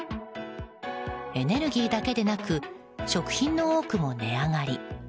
エネルギーだけでなく食品の多くも値上がり。